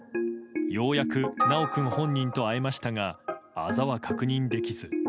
ようやく修君本人と会えましたがあざは確認できず。